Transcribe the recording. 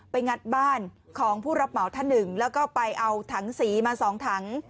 งัดบ้านของผู้รับเหมาท่านหนึ่งแล้วก็ไปเอาถังสีมาสองถัง